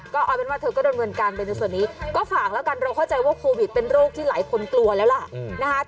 ก็เอาเป็นว่าเธอก็ดำเนินการไปในส่วนนี้ก็ฝากแล้วกันเราเข้าใจว่าโควิดเป็นโรคที่หลายคนกลัวแล้วล่ะนะคะ